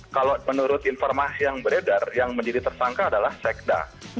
kalau menurut informasi yang beredar yang menjadi tersangka adalah sekda